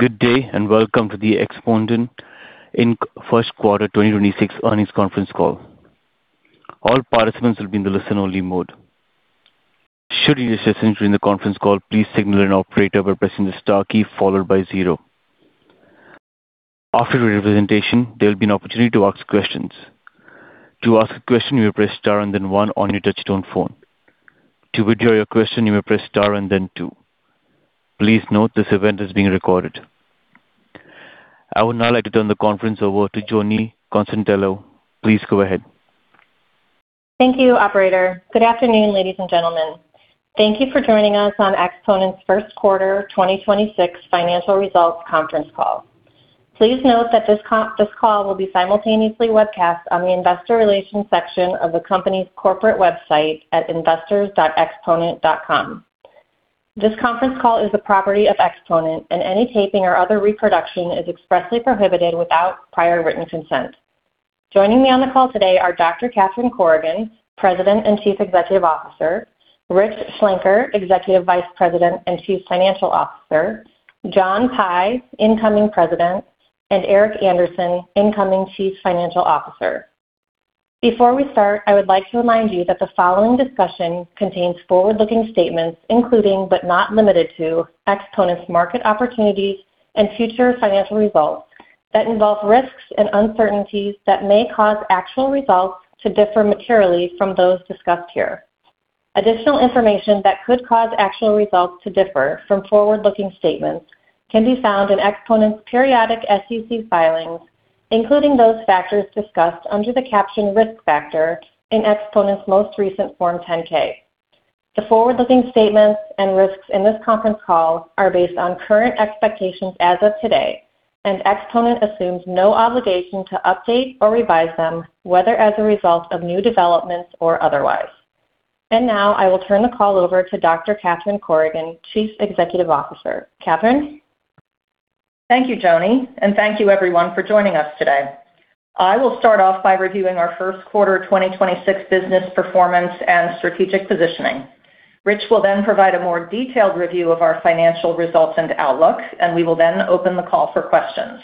Good day, welcome to the Exponent Inc. first quarter 2026 earnings conference call. All participants will be in the listen only mode. Should you wish to ask anything during the conference call, please signal an operator by pressing the star key followed by zero. After the presentation, there will be an opportunity to ask questions. To ask a question, you may press star and then one on your touchtone phone. To withdraw your question, you may press star and then two. Please note this event is being recorded. I would now like to turn the conference over to Joni Konstantelos. Please go ahead. Thank you, operator. Good afternoon, ladies and gentlemen. Thank you for joining us on Exponent's first quarter 2026 financial results conference call. Please note that this call will be simultaneously webcast on the investor relations section of the company's corporate website at investors.exponent.com. This conference call is the property of Exponent, and any taping or other reproduction is expressly prohibited without prior written consent. Joining me on the call today are Dr. Catherine Corrigan, President and Chief Executive Officer; Rich Schlenker, Executive Vice President and Chief Financial Officer; John Pye, Incoming President; and Eric Anderson, Incoming Chief Financial Officer. Before we start, I would like to remind you that the following discussion contains forward-looking statements, including, but not limited to, Exponent's market opportunities and future financial results that involve risks and uncertainties that may cause actual results to differ materially from those discussed here. Additional information that could cause actual results to differ from forward-looking statements can be found in Exponent's periodic SEC filings, including those factors discussed under the caption Risk Factor in Exponent's most recent Form 10-K. The forward-looking statements and risks in this conference call are based on current expectations as of today, Exponent assumes no obligation to update or revise them, whether as a result of new developments or otherwise. Now I will turn the call over to Dr. Catherine Corrigan, Chief Executive Officer. Catherine. Thank you, Joni. Thank you everyone for joining us today. I will start off by reviewing our first quarter 2026 business performance and strategic positioning. Rich will then provide a more detailed review of our financial results and outlook, and we will then open the call for questions.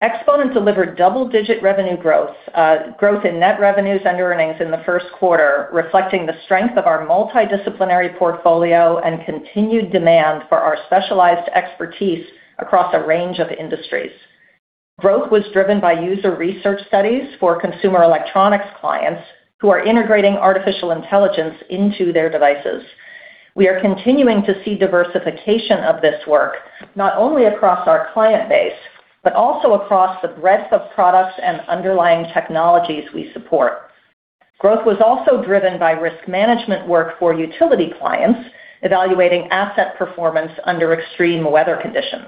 Exponent delivered double-digit revenue growth in net revenues and earnings in the first quarter, reflecting the strength of our multidisciplinary portfolio and continued demand for our specialized expertise across a range of industries. Growth was driven by user research studies for consumer electronics clients who are integrating artificial intelligence into their devices. We are continuing to see diversification of this work, not only across our client base, but also across the breadth of products and underlying technologies we support. Growth was also driven by risk management work for utility clients evaluating asset performance under extreme weather conditions.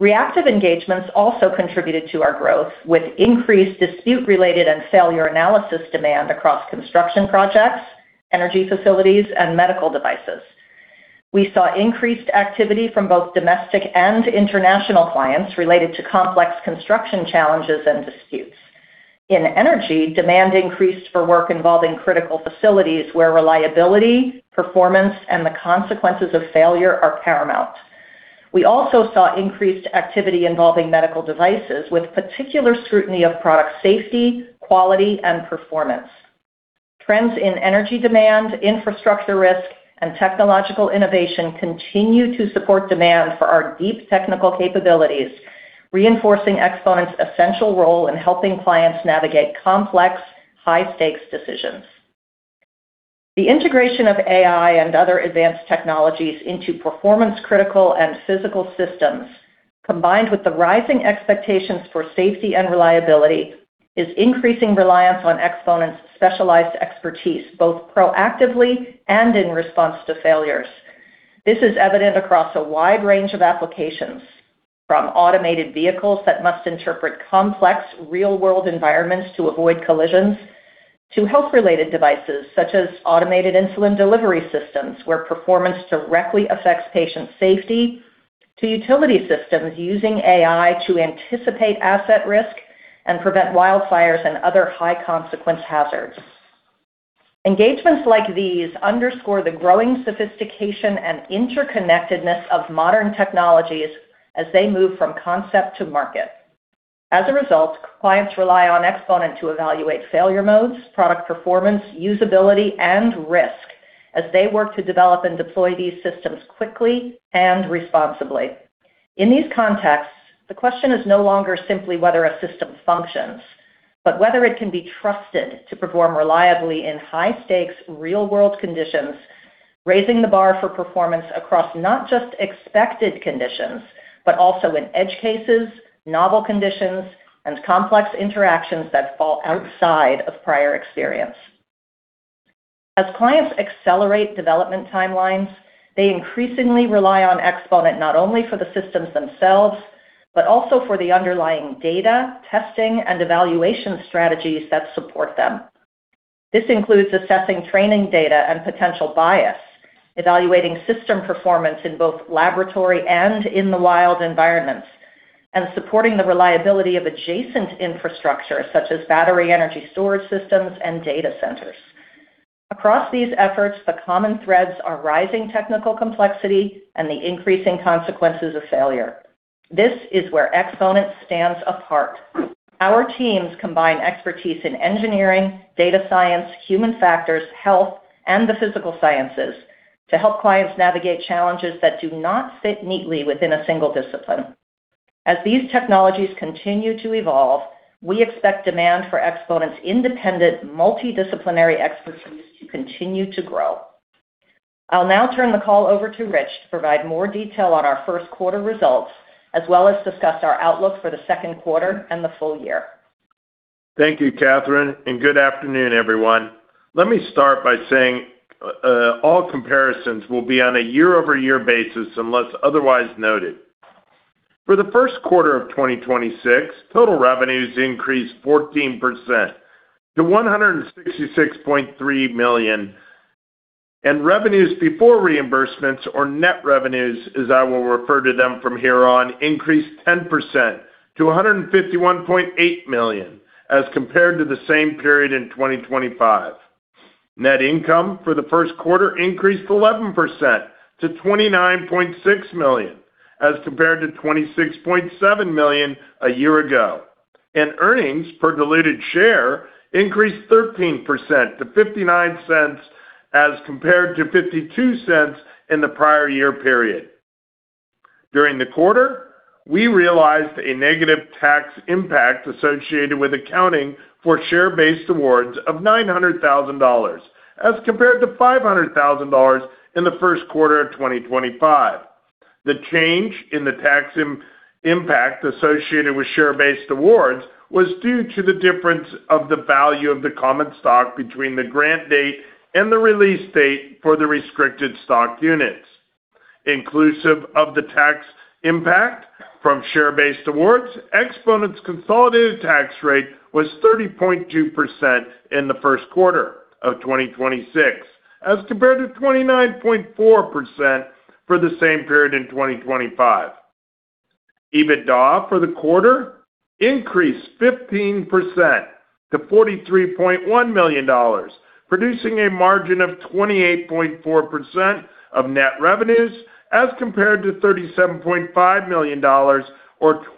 Reactive engagements also contributed to our growth, with increased dispute-related and failure analysis demand across construction projects, energy facilities, and medical devices. We saw increased activity from both domestic and international clients related to complex construction challenges and disputes. In energy, demand increased for work involving critical facilities where reliability, performance, and the consequences of failure are paramount. We also saw increased activity involving medical devices with particular scrutiny of product safety, quality, and performance. Trends in energy demand, infrastructure risk, and technological innovation continue to support demand for our deep technical capabilities, reinforcing Exponent's essential role in helping clients navigate complex, high-stakes decisions. The integration of AI and other advanced technologies into performance-critical and physical systems, combined with the rising expectations for safety and reliability, is increasing reliance on Exponent's specialized expertise, both proactively and in response to failures. This is evident across a wide range of applications, from automated vehicles that must interpret complex real-world environments to avoid collisions, to health-related devices such as automated insulin delivery systems, where performance directly affects patient safety, to utility systems using AI to anticipate asset risk and prevent wildfires and other high-consequence hazards. Engagements like these underscore the growing sophistication and interconnectedness of modern technologies as they move from concept to market. As a result, clients rely on Exponent to evaluate failure modes, product performance, usability, and risk as they work to develop and deploy these systems quickly and responsibly. In these contexts, the question is no longer simply whether a system functions, but whether it can be trusted to perform reliably in high-stakes, real-world conditions, raising the bar for performance across not just expected conditions, but also in edge cases, novel conditions, and complex interactions that fall outside of prior experience. As clients accelerate development timelines, they increasingly rely on Exponent not only for the systems themselves, but also for the underlying data, testing, and evaluation strategies that support them. This includes assessing training data and potential bias, evaluating system performance in both laboratory and in the wild environments, and supporting the reliability of adjacent infrastructure such as battery energy storage systems and data centers. Across these efforts, the common threads are rising technical complexity and the increasing consequences of failure. This is where Exponent stands apart. Our teams combine expertise in engineering, data science, human factors, health, and the physical sciences to help clients navigate challenges that do not fit neatly within a single discipline. As these technologies continue to evolve, we expect demand for Exponent's independent multidisciplinary expertise to continue to grow. I'll now turn the call over to Rich to provide more detail on our first quarter results, as well as discuss our outlook for the second quarter and the full year. Thank you, Catherine, and good afternoon, everyone. Let me start by saying, all comparisons will be on a year-over-year basis unless otherwise noted. For the first quarter of 2026, total revenues increased 14% to $166.3 million, and revenues before reimbursements or net revenues, as I will refer to them from here on, increased 10% to $151.8 million as compared to the same period in 2025. Net income for the first quarter increased 11% to $29.6 million as compared to $26.7 million a year ago. Earnings per diluted share increased 13% to $0.59 as compared to $0.52 in the prior year period. During the quarter, we realized a negative tax impact associated with accounting for share-based awards of $900,000 as compared to $500,000 in the first quarter of 2025. The change in the tax impact associated with share-based awards was due to the difference of the value of the common stock between the grant date and the release date for the restricted stock units. Inclusive of the tax impact from share-based awards, Exponent's consolidated tax rate was 30.2% in the first quarter of 2026 as compared to 29.4% for the same period in 2025. EBITDA for the quarter increased 15% to $43.1 million, producing a margin of 28.4% of net revenues, as compared to $37.5 million or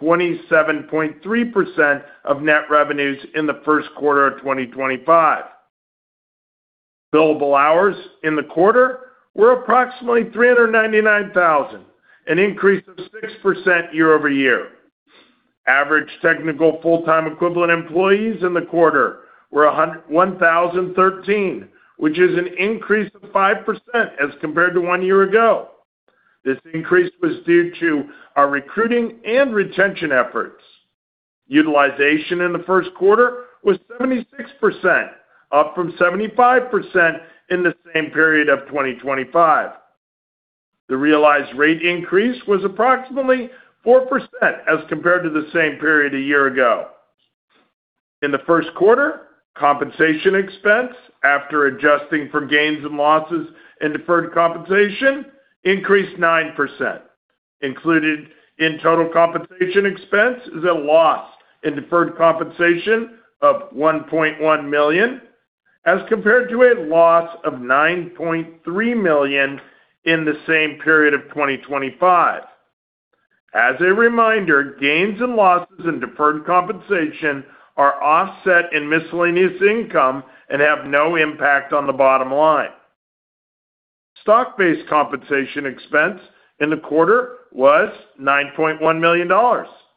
27.3% of net revenues in the first quarter of 2025. Billable hours in the quarter were approximately 399,000, an increase of 6% year-over-year. Average technical full-time equivalent employees in the quarter were 1,013, which is an increase of 5% as compared to one year ago. This increase was due to our recruiting and retention efforts. Utilization in the first quarter was 76%, up from 75% in the same period of 2025. The realized rate increase was approximately 4% as compared to the same period a year ago. In the first quarter, compensation expense, after adjusting for gains and losses and deferred compensation, increased 9%. Included in total compensation expense is a loss in deferred compensation of $1.1 million, as compared to a loss of $9.3 million in the same period of 2025. As a reminder, gains and losses in deferred compensation are offset in miscellaneous income and have no impact on the bottom line. Stock-based compensation expense in the quarter was $9.1 million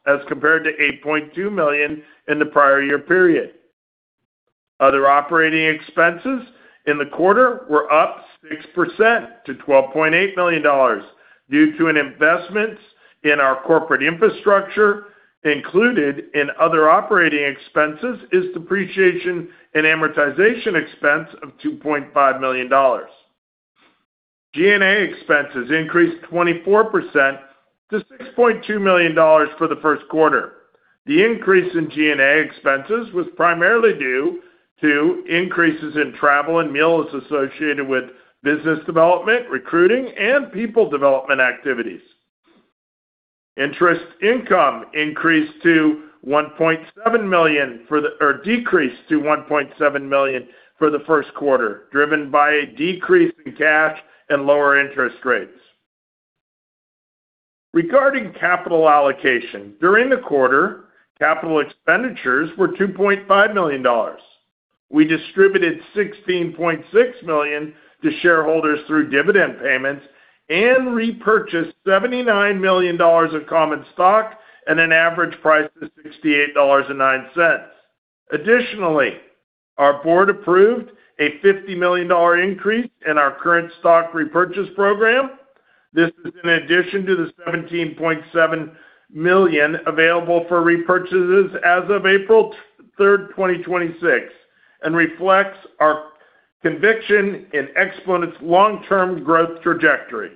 as compared to $8.2 million in the prior year period. Other operating expenses in the quarter were up 6% to $12.8 million due to an investments in our corporate infrastructure. Included in other operating expenses is depreciation and amortization expense of $2.5 million. G&A expenses increased 24% to $6.2 million for the first quarter. The increase in G&A expenses was primarily due to increases in travel and meals associated with business development, recruiting, and people development activities. Interest income decreased to $1.7 million for the first quarter, driven by a decrease in cash and lower interest rates. Regarding capital allocation, during the quarter, capital expenditures were $2.5 million. We distributed $16.6 million to shareholders through dividend payments and repurchased $79 million of common stock at an average price of $68.09. Additionally, our board approved a $50 million increase in our current stock repurchase program. This is in addition to the $17.7 million available for repurchases as of April 3rd, 2026 and reflects our conviction in Exponent's long-term growth trajectory.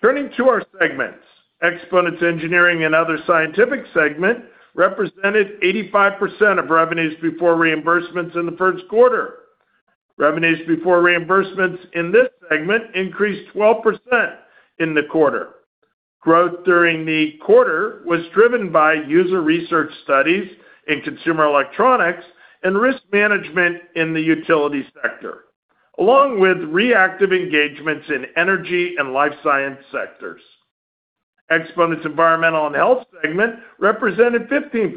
Turning to our segments. Exponent's engineering and other scientific segment represented 85% of revenues before reimbursements in the first quarter. Revenues before reimbursements in this segment increased 12% in the quarter. Growth during the quarter was driven by user research studies in consumer electronics and risk management in the utility sector, along with reactive engagements in energy and life science sectors. Exponent's environmental and health segment represented 15%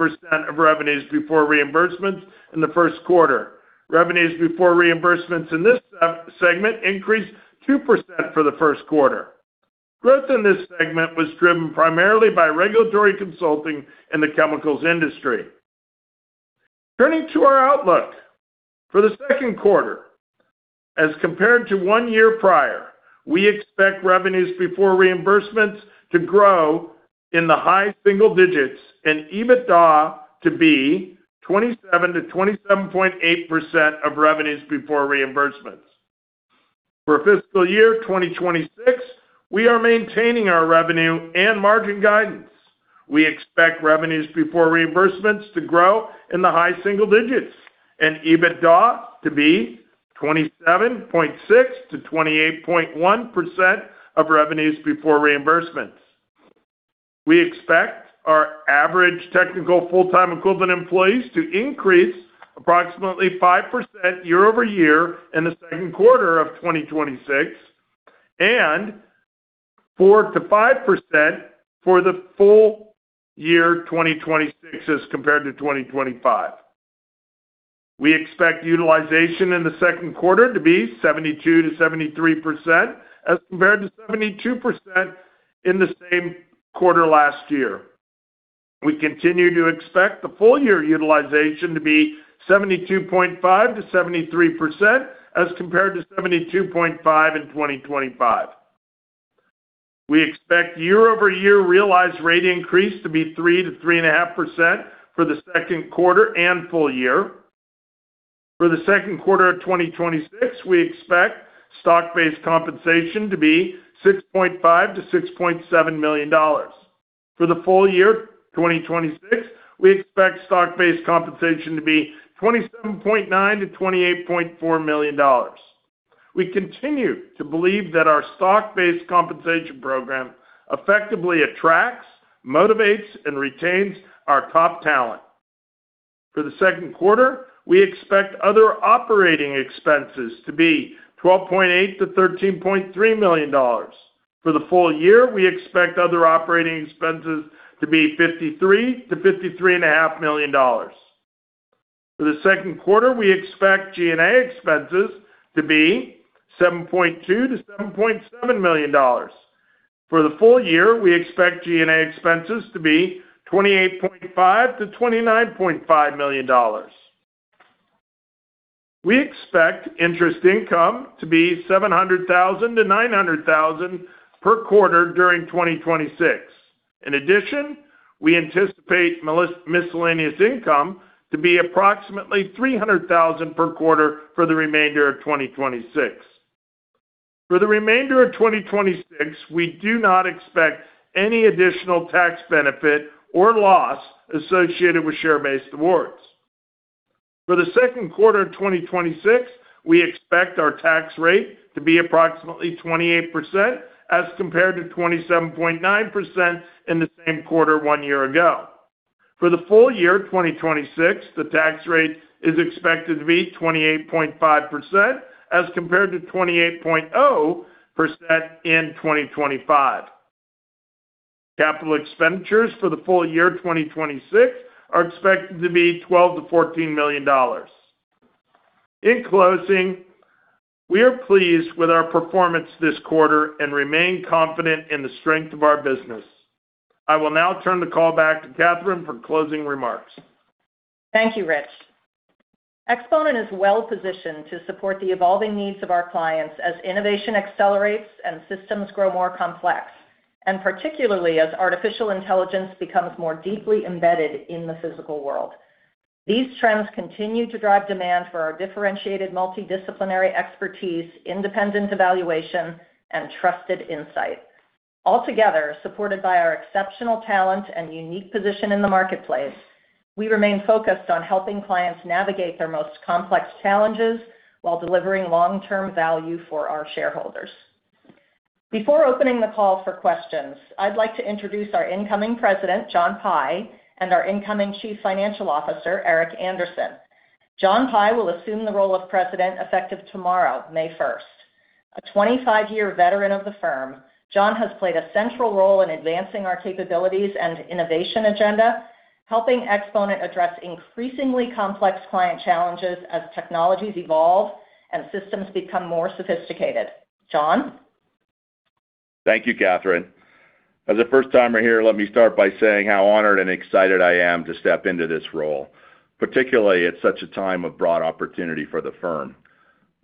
of revenues before reimbursements in the first quarter. Revenues before reimbursements in this segment increased 2% for the first quarter. Growth in this segment was driven primarily by regulatory consulting in the chemicals industry. Turning to our outlook. For the second quarter, as compared to 1 year prior, we expect revenues before reimbursements to grow in the high single digits and EBITDA to be 27%-27.8% of revenues before reimbursements. For fiscal year 2026, we are maintaining our revenue and margin guidance. We expect revenues before reimbursements to grow in the high single digits and EBITDA to be 27.6%-28.1% of revenues before reimbursements. We expect our average technical full-time equivalent employees to increase approximately 5% year-over-year in the second quarter of 2026 and 4%-5% for the full year 2026 as compared to 2025. We expect utilization in the second quarter to be 72%-73% as compared to 72% in the same quarter last year. We continue to expect the full year utilization to be 72.5%-73% as compared to 72.5% in 2025. We expect year-over-year realized rate increase to be 3%-3.5% for the 2Q and full year. For the 2Q of 2026, we expect stock-based compensation to be $6.5 million-$6.7 million. For the full year 2026, we expect stock-based compensation to be $27.9 million-$28.4 million. We continue to believe that our stock-based compensation program effectively attracts, motivates, and retains our top talent. For the 2Q, we expect other operating expenses to be $12.8 million-$13.3 million. For the full year, we expect other operating expenses to be $53 million-$53.5 million. For the second quarter, we expect G&A expenses to be $7.2 million-$7.7 million. For the full year, we expect G&A expenses to be $28.5 million-$29.5 million. We expect interest income to be $700,000-$900,000 per quarter during 2026. In addition, we anticipate miscellaneous income to be approximately $300,000 per quarter for the remainder of 2026. For the remainder of 2026, we do not expect any additional tax benefit or loss associated with share-based awards. For the second quarter of 2026, we expect our tax rate to be approximately 28% as compared to 27.9% in the same quarter one year ago. For the full year 2026, the tax rate is expected to be 28.5% as compared to 28.0% in 2025. Capital expenditures for the full year 2026 are expected to be $12 million-$14 million. In closing, we are pleased with our performance this quarter and remain confident in the strength of our business. I will now turn the call back to Catherine for closing remarks. Thank you, Rich. Exponent is well positioned to support the evolving needs of our clients as innovation accelerates and systems grow more complex, particularly as artificial intelligence becomes more deeply embedded in the physical world. These trends continue to drive demand for our differentiated multidisciplinary expertise, independent evaluation, and trusted insight. Altogether, supported by our exceptional talent and unique position in the marketplace, we remain focused on helping clients navigate their most complex challenges while delivering long-term value for our shareholders. Before opening the call for questions, I'd like to introduce our incoming president, John Pye, and our incoming chief financial officer, Eric Anderson. John Pye will assume the role of president effective tomorrow, May first. A 25-year veteran of the firm, John has played a central role in advancing our capabilities and innovation agenda, helping Exponent address increasingly complex client challenges as technologies evolve and systems become more sophisticated. John? Thank you, Catherine. As a first-timer here, let me start by saying how honored and excited I am to step into this role, particularly at such a time of broad opportunity for the firm.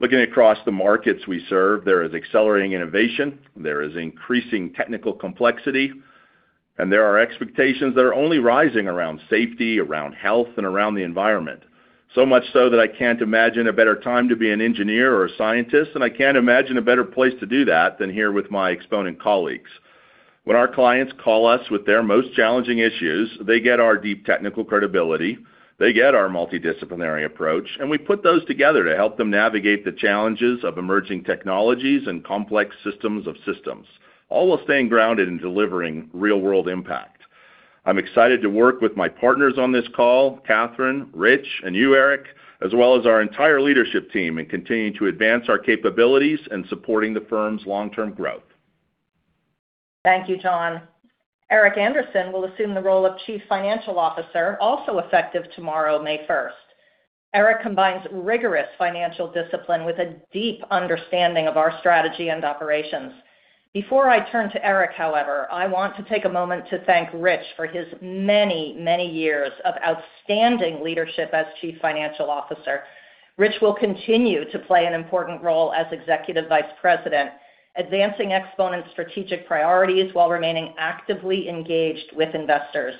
Looking across the markets we serve, there is accelerating innovation, there is increasing technical complexity, and there are expectations that are only rising around safety, around health, and around the environment. Much so that I can't imagine a better time to be an engineer or a scientist, and I can't imagine a better place to do that than here with my Exponent colleagues. When our clients call us with their most challenging issues, they get our deep technical credibility. They get our multidisciplinary approach, and we put those together to help them navigate the challenges of emerging technologies and complex systems of systems, all while staying grounded in delivering real-world impact. I'm excited to work with my partners on this call, Catherine, Rich, and you, Eric, as well as our entire leadership team in continuing to advance our capabilities in supporting the firm's long-term growth. Thank you, John. Eric Anderson will assume the role of Chief Financial Officer, also effective tomorrow, May first. Eric combines rigorous financial discipline with a deep understanding of our strategy and operations. Before I turn to Eric, however, I want to take a moment to thank Rich for his many, many years of outstanding leadership as Chief Financial Officer. Rich will continue to play an important role as Executive Vice President, advancing Exponent's strategic priorities while remaining actively engaged with investors.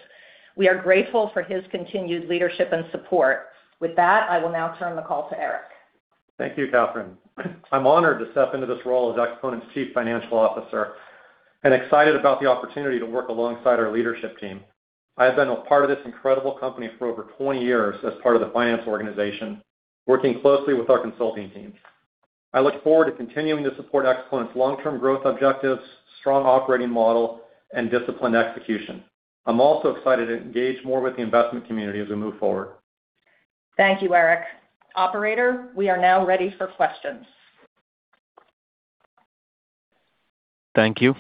We are grateful for his continued leadership and support. With that, I will now turn the call to Eric. Thank you, Catherine. I'm honored to step into this role as Exponent's Chief Financial Officer and excited about the opportunity to work alongside our leadership team. I have been a part of this incredible company for over 20 years as part of the finance organization, working closely with our consulting teams. I look forward to continuing to support Exponent's long-term growth objectives, strong operating model, and disciplined execution. I'm also excited to engage more with the investment community as we move forward. Thank you, Eric. Operator, we are now ready for questions. Thank you.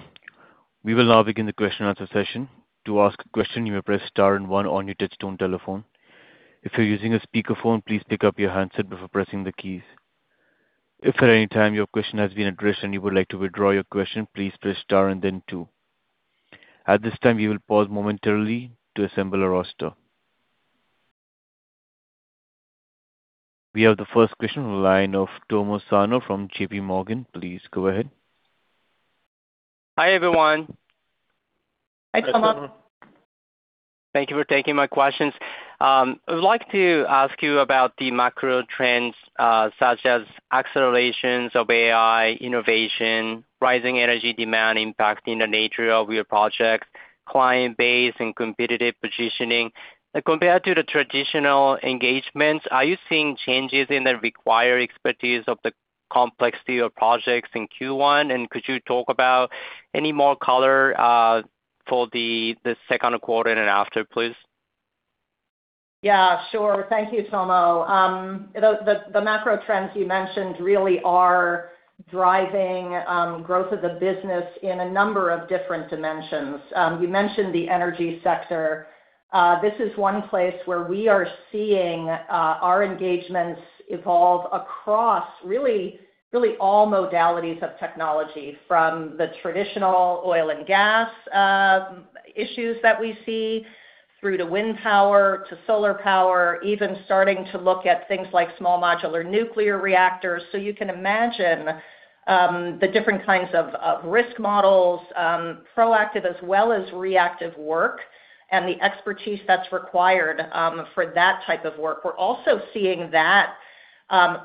We will now begin the question and answer session. To ask a question, you may press star and one on your touchtone telephone. If you're using a speakerphone, please pick up your handset before pressing the keys. If at any time your question has been addressed and you would like to withdraw your question, please press star and then two. At this time, we will pause momentarily to assemble a roster. We have the first question in the line of Tomohiko Sano from JPMorgan. Please go ahead. Hi, everyone. Hi, Tomo. Hi, Tomo. Thank you for taking my questions. I would like to ask you about the macro trends, such as accelerations of AI, innovation, rising energy demand impacting the nature of your projects, client base, and competitive positioning. Compared to the traditional engagements, are you seeing changes in the required expertise of the complexity of projects in Q1, and could you talk about any more color for the second quarter and after, please? Yeah, sure. Thank you, Tomo. The macro trends you mentioned really are driving growth of the business in a number of different dimensions. You mentioned the energy sector. This is one place where we are seeing our engagements evolve across really all modalities of technology, from the traditional oil and gas issues that we see, through to wind power to solar power, even starting to look at things like small modular nuclear reactors. You can imagine the different kinds of risk models, proactive as well as reactive work and the expertise that's required for that type of work. We're also seeing that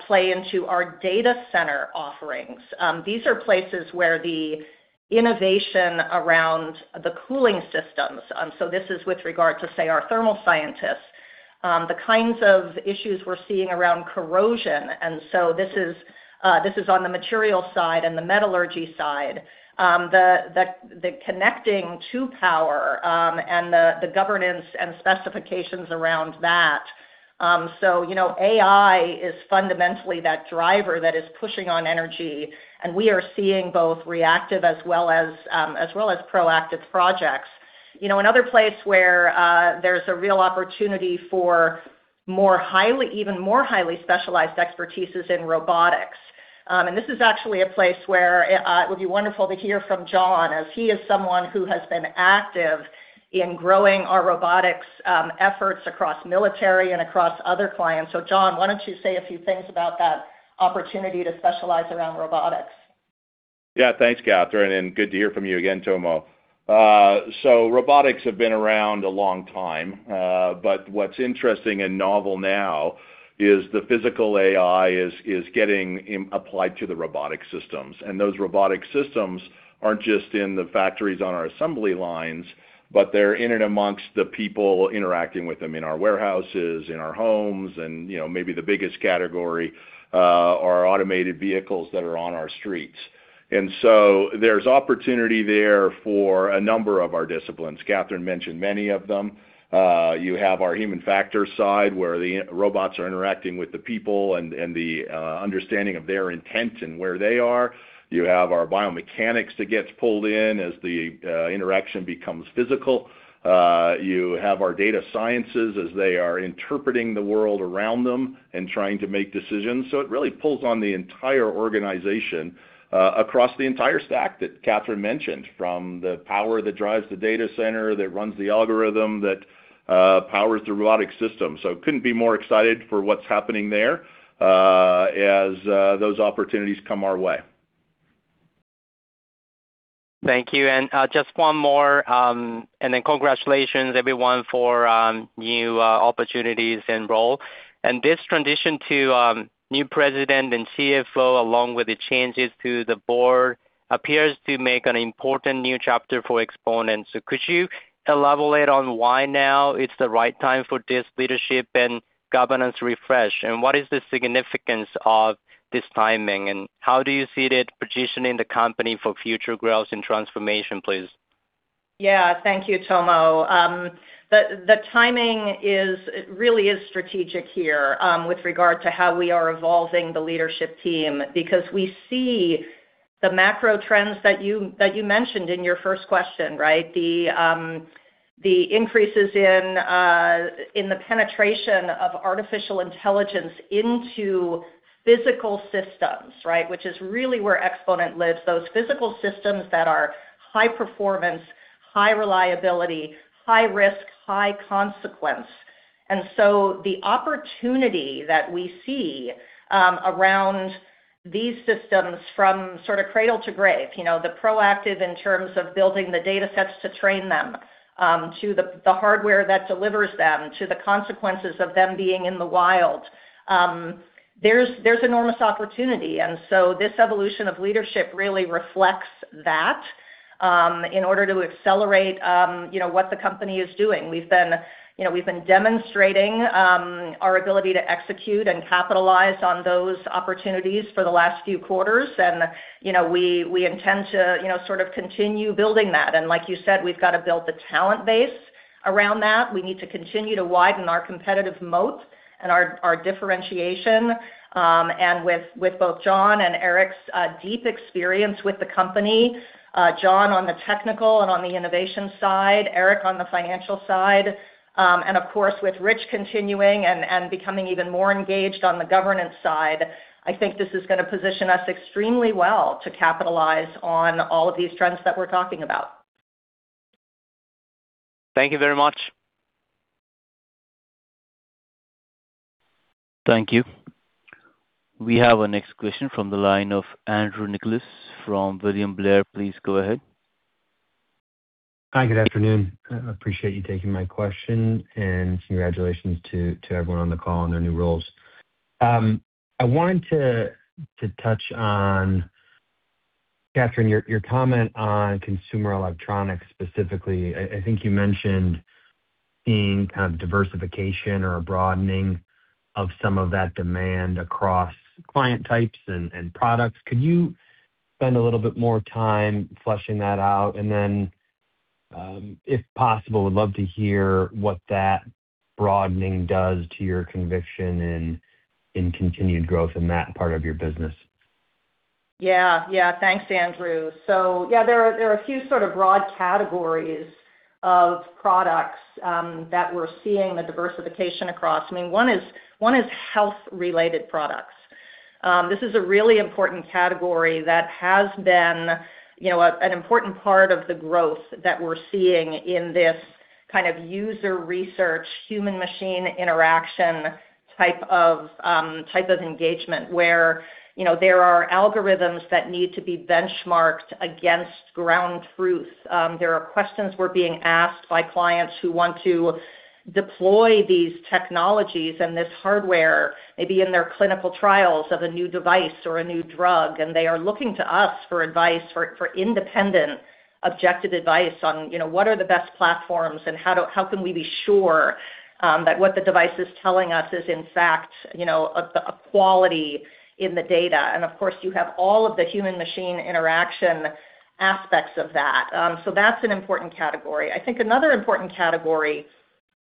play into our data center offerings. These are places where the innovation around the cooling systems, so this is with regard to, say, our thermal scientists, the kinds of issues we're seeing around corrosion. This is on the material side and the metallurgy side. The connecting to power, and the governance and specifications around that. You know, AI is fundamentally that driver that is pushing on energy, and we are seeing both reactive as well as well as proactive projects. You know, another place where there's a real opportunity for more highly, even more highly specialized expertise is in robotics. This is actually a place where it would be wonderful to hear from John Pye, as he is someone who has been active in growing our robotics efforts across military and across other clients. John, why don't you say a few things about that opportunity to specialize around robotics? Yeah. Thanks, Catherine, and good to hear from you again, Tomo. Robotics have been around a long time, but what's interesting and novel now is the physical AI is getting applied to the robotic systems. Those robotic systems aren't just in the factories on our assembly lines, but they're in and amongst the people interacting with them in our warehouses, in our homes, and you know, maybe the biggest category are automated vehicles that are on our streets. There's opportunity there for a number of our disciplines. Catherine mentioned many of them. You have our human factors side, where the robots are interacting with the people and the understanding of their intent and where they are. You have our biomechanics that gets pulled in as the interaction becomes physical. You have our data sciences as they are interpreting the world around them and trying to make decisions. It really pulls on the entire organization, across the entire stack that Catherine mentioned, from the power that drives the data center, that runs the algorithm, that powers the robotic system. Couldn't be more excited for what's happening there, as those opportunities come our way. Thank you. Just one more, and then congratulations everyone for, new, opportunities and role. This transition to, new President and CFO along with the changes to the board appears to make an important new chapter for Exponent. Could you elaborate on why now it's the right time for this leadership and governance refresh, and what is the significance of this timing, and how do you see it positioning the company for future growth and transformation, please? Yeah. Thank you, Tomo. The timing is, really is strategic here, with regard to how we are evolving the leadership team because we see the macro trends that you, that you mentioned in your first question, right? The increases in the penetration of artificial intelligence into physical systems, right, which is really where Exponent lives. Those physical systems that are high performance, high reliability, high risk, high consequence. The opportunity that we see, around these systems from sort of cradle to grave, you know, the proactive in terms of building the datasets to train them, to the hardware that delivers them, to the consequences of them being in the wild. There's enormous opportunity. This evolution of leadership really reflects that, in order to accelerate, you know, what the company is doing. We've been, you know, we've been demonstrating, our ability to execute and capitalize on those opportunities for the last few quarters. You know, we intend to, you know, sort of continue building that. Like you said, we've got to build the talent base around that. We need to continue to widen our competitive moat and our differentiation. With, with both John and Eric's deep experience with the company, John on the technical and on the innovation side, Eric on the financial side, and of course, with Rich continuing and becoming even more engaged on the governance side, I think this is gonna position us extremely well to capitalize on all of these trends that we're talking about. Thank you very much. Thank you. We have our next question from the line of Andrew Nicholas from William Blair. Please go ahead. Hi. Good afternoon. I appreciate you taking my question, and congratulations to everyone on the call on their new roles. I wanted to touch on, Catherine, your comment on consumer electronics specifically. I think you mentioned seeing kind of diversification or a broadening of some of that demand across client types and products. Could you spend a little bit more time fleshing that out? Then, if possible, would love to hear what that broadening does to your conviction in continued growth in that part of your business. Yeah. Yeah. Thanks, Andrew. Yeah, there are a few sort of broad categories of products that we're seeing the diversification across. I mean, one is health-related products. This is a really important category that has been, you know, an important part of the growth that we're seeing in this kind of user research, human machine interaction type of engagement where, you know, there are algorithms that need to be benchmarked against ground truth. There are questions we're being asked by clients who want to deploy these technologies and this hardware maybe in their clinical trials of a new device or a new drug, and they are looking to us for advice, for independent, objective advice on, you know, what are the best platforms and how do how can we be sure that what the device is telling us is in fact, you know, a quality in the data. Of course, you have all of the human machine interaction aspects of that. That's an important category. I think another important category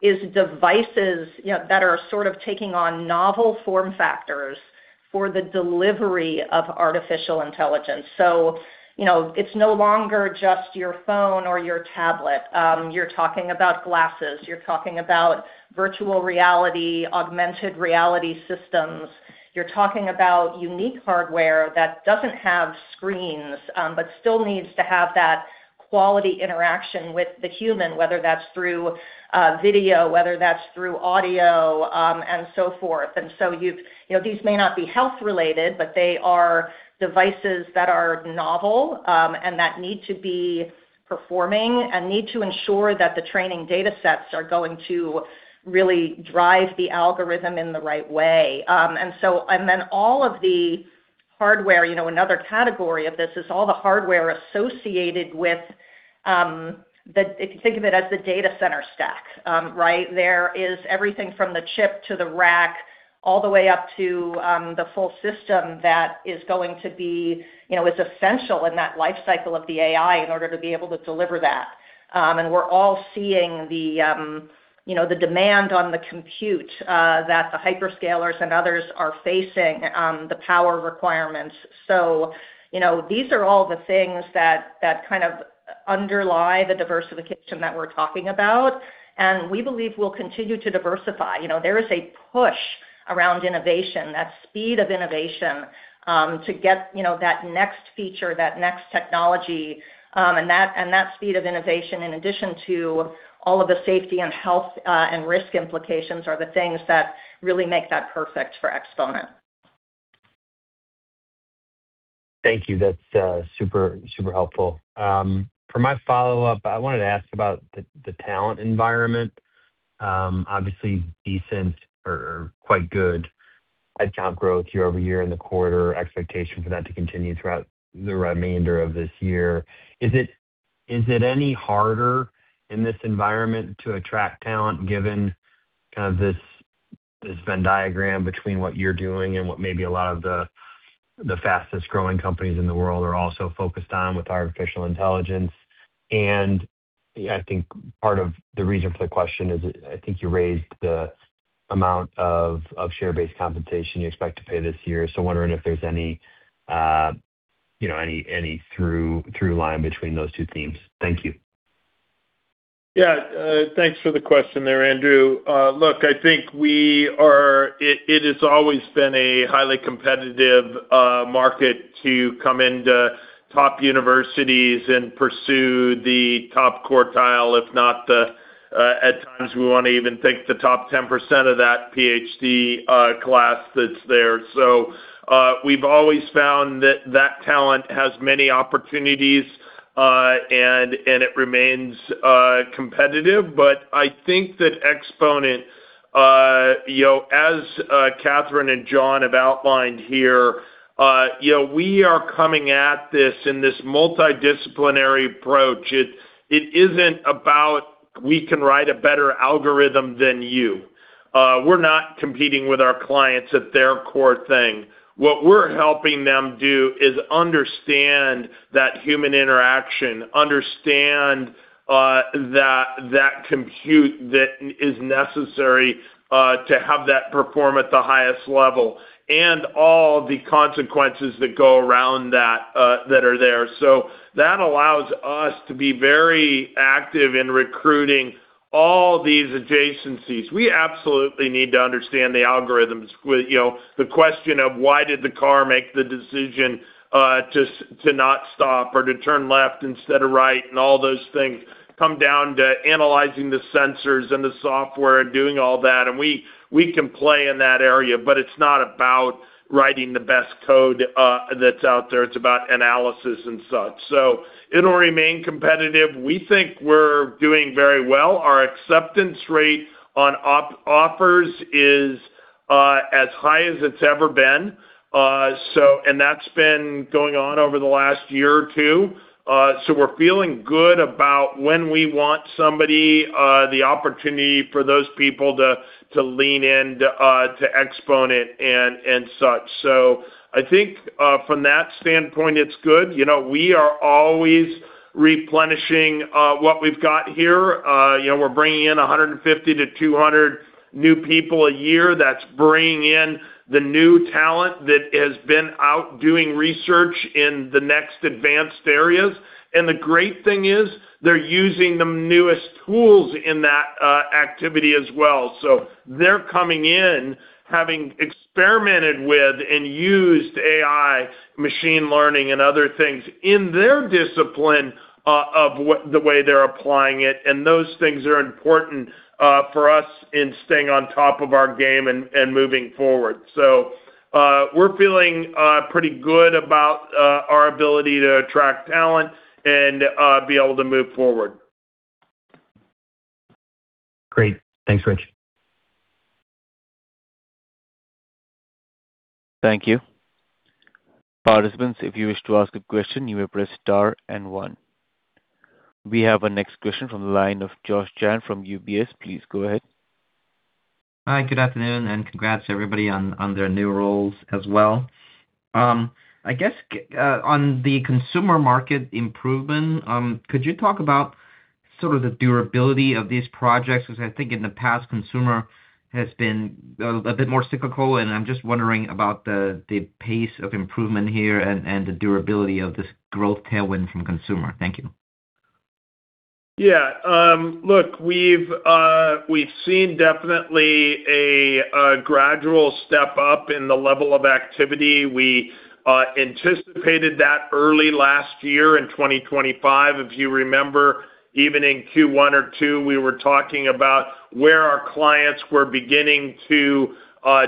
is devices, you know, that are sort of taking on novel form factors for the delivery of artificial intelligence. You know, it's no longer just your phone or your tablet. You're talking about glasses, you're talking about virtual reality, augmented reality systems. You're talking about unique hardware that doesn't have screens, but still needs to have that quality interaction with the human, whether that's through video, whether that's through audio, and so forth. You've you know, these may not be health-related, but they are devices that are novel, and that need to be performing and need to ensure that the training datasets are going to really drive the algorithm in the right way. Then all of the hardware, you know, another category of this is all the hardware associated with the if you think of it as the data center stack, right? There is everything from the chip to the rack all the way up to the full system that is going to be, you know, is essential in that life cycle of the AI in order to be able to deliver that. We're all seeing the, you know, the demand on the compute that the hyperscalers and others are facing, the power requirements. You know, these are all the things that kind of underlie the diversification that we're talking about, and we believe we'll continue to diversify. You know, there is a push around innovation, that speed of innovation, to get, you know, that next feature, that next technology. That speed of innovation in addition to all of the safety and health and risk implications are the things that really make that perfect for Exponent. Thank you. That's super helpful. For my follow-up, I wanted to ask about the talent environment. Obviously decent or quite good headcount growth year-over-year in the quarter, expectation for that to continue throughout the remainder of this year. Is it any harder in this environment to attract talent given kind of this Venn diagram between what you're doing and what maybe a lot of the fastest-growing companies in the world are also focused on with artificial intelligence? I think part of the reason for the question is I think you raised the amount of share-based compensation you expect to pay this year. Wondering if there's any, you know, any through line between those two themes. Thank you. Yeah. Thanks for the question there, Andrew. Look, it has always been a highly competitive market to come into top universities and pursue the top quartile, if not at times we wanna even take the top 10% of that PhD class that's there. We've always found that that talent has many opportunities and it remains competitive. I think that Exponent, you know, as Catherine and John have outlined here, you know, we are coming at this in this multidisciplinary approach. It isn't about we can write a better algorithm than you. We're not competing with our clients at their core thing. What we're helping them do is understand that human interaction, understand that compute that is necessary to have that perform at the highest level and all the consequences that go around that that are there. That allows us to be very active in recruiting all these adjacencies. We absolutely need to understand the algorithms with, you know, the question of why did the car make the decision to not stop or to turn left instead of right, and all those things come down to analyzing the sensors and the software and doing all that. And we can play in that area, but it's not about writing the best code that's out there. It's about analysis and such. It'll remain competitive. We think we're doing very well. Our acceptance rate on op- offers is as high as it's ever been. That's been going on over the last year or two. We're feeling good about when we want somebody, the opportunity for those people to lean in to Exponent and such. I think, from that standpoint, it's good. You know, we are always replenishing what we've got here. You know, we're bringing in 150 to 200 new people a year. That's bringing in the new talent that has been out doing research in the next advanced areas. The great thing is, they're using the newest tools in that activity as well. They're coming in, having experimented with and used AI, machine learning, and other things in their discipline, the way they're applying it, and those things are important for us in staying on top of our game and moving forward. We're feeling pretty good about our ability to attract talent and be able to move forward. Great. Thanks, Rich. Thank you. Participants, if you wish to ask a question, you may press star and one. We have our next question from the line of Josh Chan from UBS. Please go ahead. Hi, good afternoon. Congrats to everybody on their new roles as well. I guess on the consumer market improvement, could you talk about sort of the durability of these projects? 'Cause I think in the past, consumer has been a bit more cyclical, and I'm just wondering about the pace of improvement here and the durability of this growth tailwind from consumer. Thank you. Yeah. Look, we've seen definitely a gradual step up in the level of activity. We anticipated that early last year in 2025. If you remember, even in Q1 or 2, we were talking about where our clients were beginning to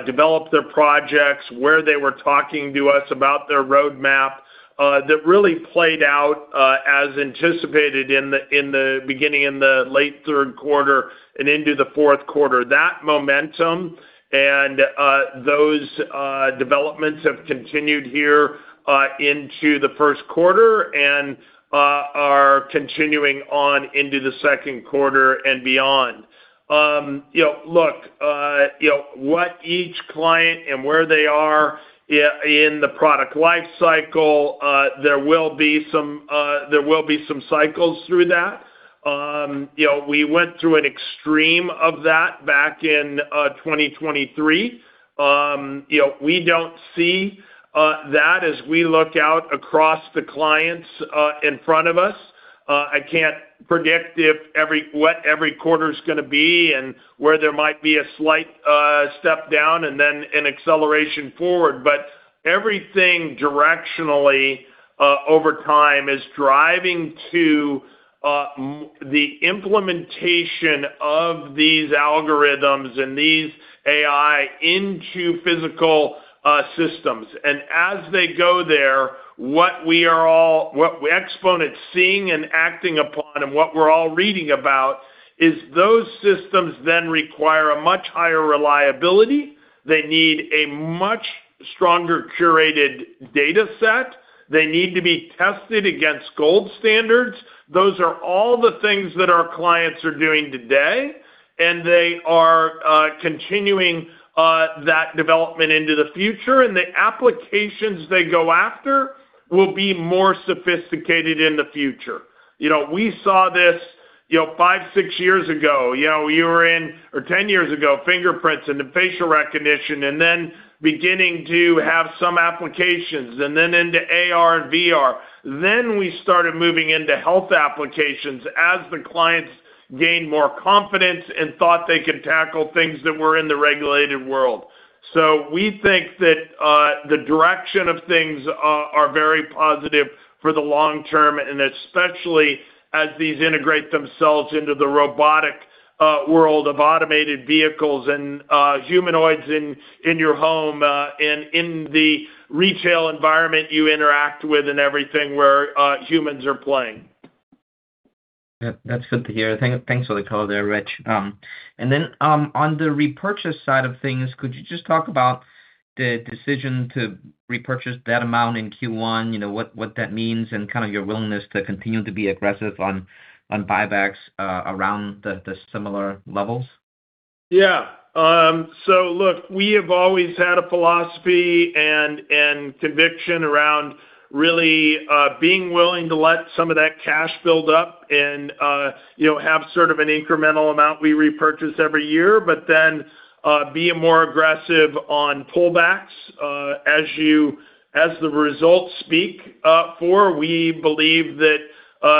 develop their projects, where they were talking to us about their roadmap, that really played out as anticipated in the beginning, in the late third quarter and into the fourth quarter. That momentum and those developments have continued here into the first quarter and are continuing on into the second quarter and beyond. You know, look, you know what each client and where they are in the product life cycle, there will be some cycles through that. You know, we went through an extreme of that back in 2023. You know, we don't see that as we look out across the clients in front of us. I can't predict what every quarter's gonna be and where there might be a slight step down and then an acceleration forward. Everything directionally over time is driving to the implementation of these algorithms and these AI into physical systems. As they go there, what we Exponent's seeing and acting upon, and what we're all reading about, is those systems then require a much higher reliability. They need a much stronger curated data set. They need to be tested against gold standards. Those are all the things that our clients are doing today, and they are continuing that development into the future. The applications they go after will be more sophisticated in the future. You know, we saw this, you know, five, six years ago. You know, we were in or 10 years ago, fingerprints into facial recognition, and then beginning to have some applications and then into AR and VR. We started moving into health applications as the clients gained more confidence and thought they could tackle things that were in the regulated world. We think that the direction of things are very positive for the long term, and especially as these integrate themselves into the robotic world of automated vehicles and humanoids in your home, and in the retail environment you interact with and everything where humans are playing. That's good to hear. Thank, thanks for the color there, Rich. On the repurchase side of things, could you just talk about the decision to repurchase that amount in Q1? You know, what that means and kind of your willingness to continue to be aggressive on buybacks, around the similar levels? Yeah. Look, we have always had a philosophy and conviction around really, being willing to let some of that cash build up and, you know, have sort of an incremental amount we repurchase every year, but then, be more aggressive on pullbacks, as the results speak for. We believe that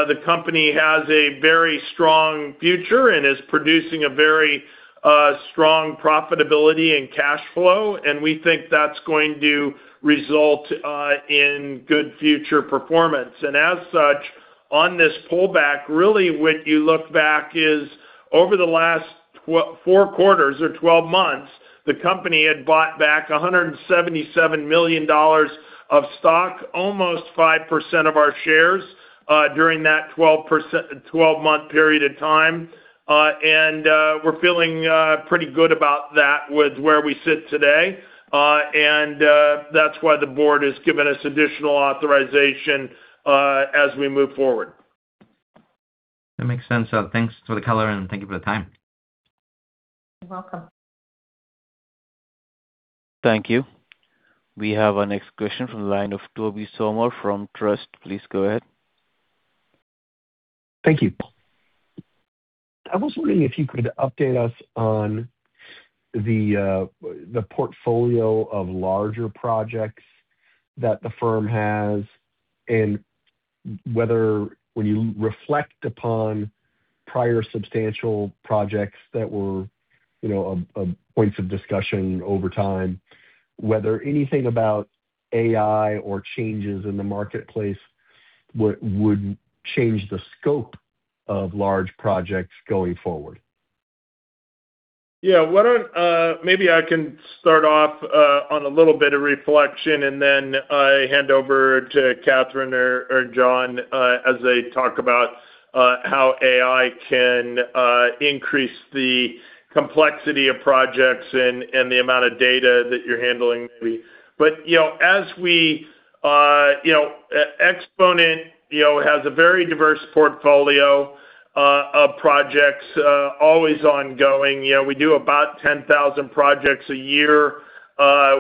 the company has a very strong future and is producing a very strong profitability and cash flow, and we think that's going to result in good future performance. As such, on this pullback, really when you look back is over the last 4 quarters or 12 months, the company had bought back $177 million of stock, almost 5% of our shares, during that 12-month period of time. We're feeling pretty good about that with where we sit today. That's why the board has given us additional authorization as we move forward. That makes sense. Thanks for the color, and thank you for the time. You're welcome. Thank you. We have our next question from the line of Tobey Sommer from Truist Securities. Please go ahead. Thank you. I was wondering if you could update us on the portfolio of larger projects that the firm has, and whether when you reflect upon prior substantial projects that were, you know, points of discussion over time, whether anything about AI or changes in the marketplace would change the scope of large projects going forward. Yeah. Why don't maybe I can start off on a little bit of reflection and then hand over to Catherine or John as they talk about how AI can increase the complexity of projects and the amount of data that you're handling maybe. You know, Exponent, you know, has a very diverse portfolio of projects always ongoing. You know, we do about 10,000 projects a year.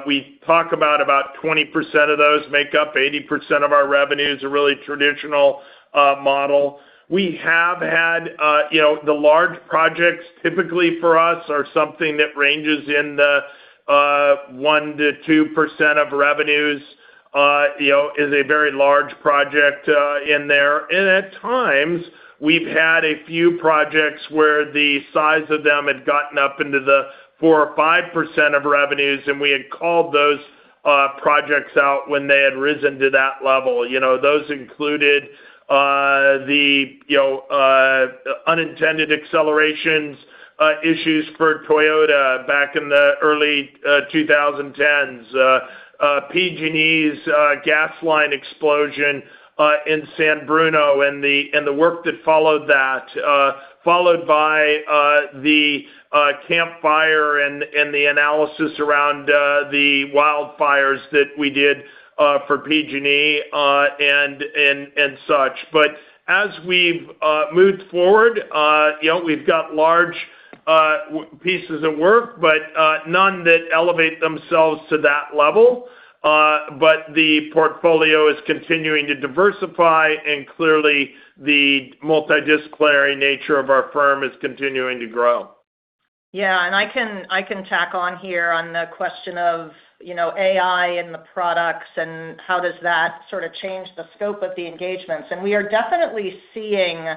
We talk about 20% of those make up 80% of our revenues, a really traditional model. We have had, you know, the large projects typically for us are something that ranges in the 1%-2% of revenues, you know, is a very large project in there. At times, we've had a few projects where the size of them had gotten up into the 4% or 5% of revenues, and we had called those projects out when they had risen to that level. You know, those included, the, you know, unintended accelerations issues for Toyota back in the early 2010s. PG&E's gas line explosion in San Bruno and the work that followed that. Followed by, the Camp Fire and the analysis around the wildfires that we did for PG&E, and such. As we've moved forward, you know, we've got large pieces of work, but none that elevate themselves to that level. The portfolio is continuing to diversify and clearly the multidisciplinary nature of our firm is continuing to grow. Yeah. I can tack on here on the question of, you know, AI and the products and how does that sort of change the scope of the engagements. We are definitely seeing.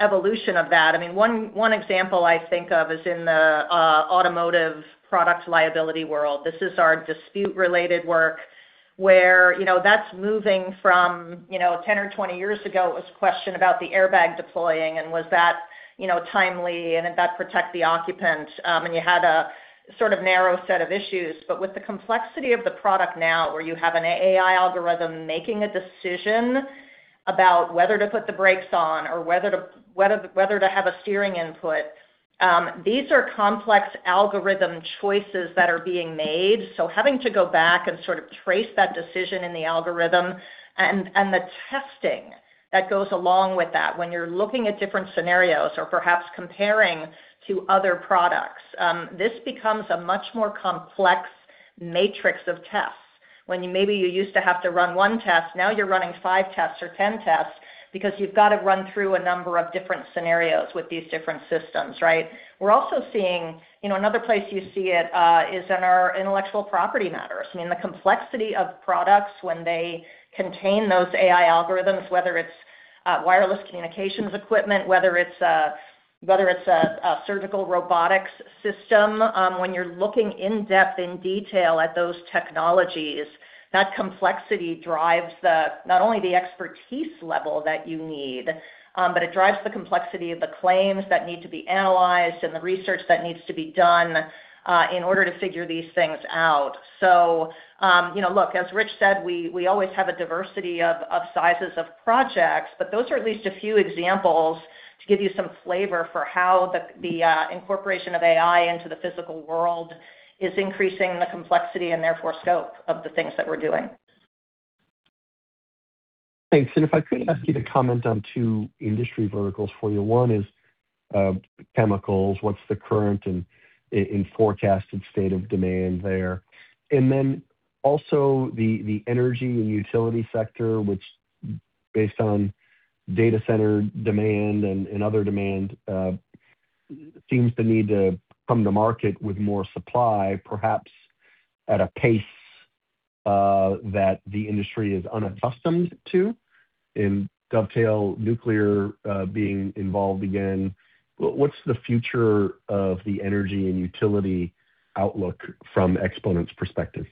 Evolution of that. I mean, one example I think of is in the automotive product liability world. This is our dispute-related work where, you know, that's moving from, you know, 10 or 20 years ago, it was a question about the airbag deploying and was that, you know, timely and did that protect the occupant? You had a sort of narrow set of issues. With the complexity of the product now, where you have an AI algorithm making a decision about whether to put the brakes on or whether to have a steering input, these are complex algorithm choices that are being made. Having to go back and sort of trace that decision in the algorithm and the testing that goes along with that when you're looking at different scenarios or perhaps comparing to other products, this becomes a much more complex matrix of tests. Maybe you used to have to run 1 test, now you're running 5 tests or 10 tests because you've got to run through a number of different scenarios with these different systems, right? We're also seeing. You know, another place you see it is in our intellectual property matters. I mean, the complexity of products when they contain those AI algorithms, whether it's wireless communications equipment, whether it's a surgical robotics system, when you're looking in depth, in detail at those technologies, that complexity drives the, not only the expertise level that you need, but it drives the complexity of the claims that need to be analyzed and the research that needs to be done in order to figure these things out. You know, look, as Rich said, we always have a diversity of sizes of projects, but those are at least a few examples to give you some flavor for how the incorporation of AI into the physical world is increasing the complexity and therefore scope of the things that we're doing. Thanks. If I could ask you to comment on two industry verticals for you. One is, chemicals. What's the current and forecasted state of demand there? Then also the energy and utility sector, which based on data center demand and other demand, seems to need to come to market with more supply, perhaps at a pace that the industry is unaccustomed to. Dovetail nuclear, being involved again, what's the future of the energy and utility outlook from Exponent's perspective?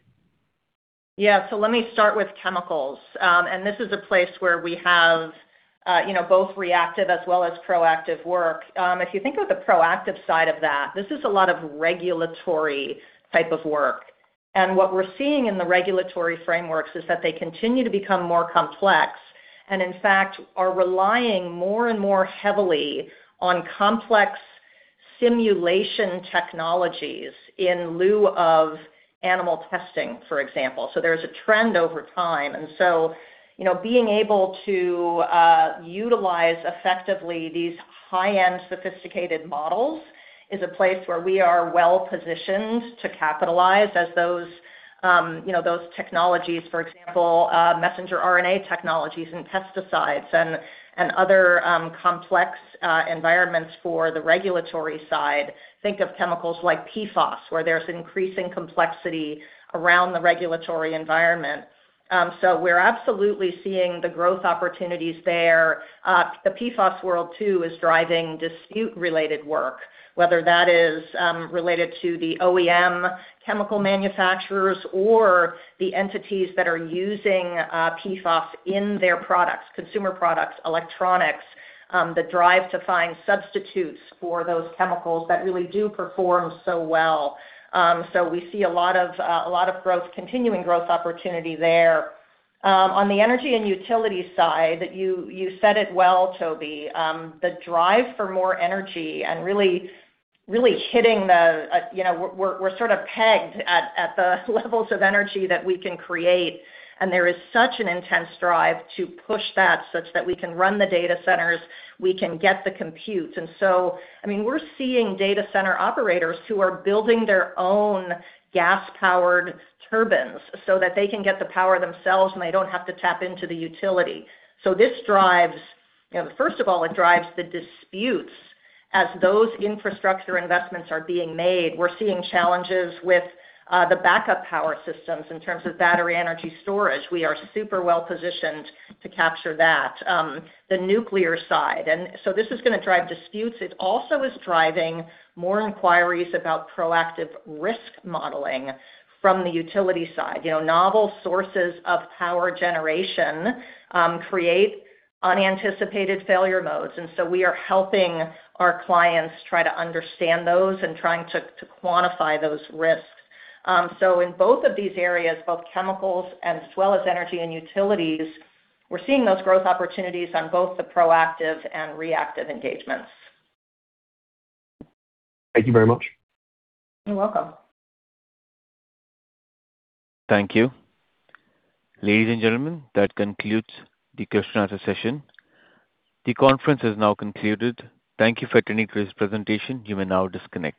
Yeah. Let me start with chemicals. This is a place where we have, you know, both reactive as well as proactive work. If you think of the proactive side of that, this is a lot of regulatory type of work. What we're seeing in the regulatory frameworks is that they continue to become more complex, and in fact, are relying more and more heavily on complex simulation technologies in lieu of animal testing, for example. There's a trend over time. You know, being able to utilize effectively these high-end sophisticated models is a place where we are well-positioned to capitalize as those, you know, those technologies, for example, messenger RNA technologies and pesticides and other, complex, environments for the regulatory side. Think of chemicals like PFAS, where there's increasing complexity around the regulatory environment. We're absolutely seeing the growth opportunities there. The PFAS world too is driving dispute-related work, whether that is related to the OEM chemical manufacturers or the entities that are using PFAS in their products, consumer products, electronics, the drive to find substitutes for those chemicals that really do perform so well. We see a lot of a lot of growth, continuing growth opportunity there. On the energy and utility side, you said it well, Tobey. The drive for more energy and really hitting the, you know, We're sort of pegged at the levels of energy that we can create, there is such an intense drive to push that such that we can run the data centers, we can get the compute. I mean, we're seeing data center operators who are building their own gas-powered turbines so that they can get the power themselves and they don't have to tap into the utility. This drives, you know, first of all, it drives the disputes. As those infrastructure investments are being made, we're seeing challenges with the backup power systems in terms of battery energy storage. We are super well-positioned to capture that. The nuclear side. This is gonna drive disputes. It also is driving more inquiries about proactive risk modeling from the utility side. You know, novel sources of power generation create unanticipated failure modes, and so we are helping our clients try to understand those and trying to quantify those risks. In both of these areas, both chemicals and as well as energy and utilities, we're seeing those growth opportunities on both the proactive and reactive engagements. Thank you very much. You're welcome. Thank you. Ladies and gentlemen, that concludes the question answer session. The conference has now concluded. Thank you for attending today's presentation. You may now disconnect.